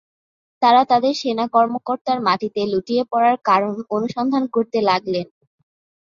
তারা তাদের সেনা কর্মকর্তার মাটিতে লুটিয়ে পড়ার কারণ অনুসন্ধান করতে লাগলেন।